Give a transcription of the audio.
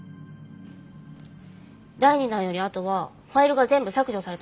第２弾よりあとはファイルが全部削除されてました。